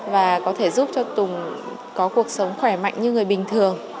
và có thể giúp cho tùng có cuộc sống khỏe mạnh như người bình thường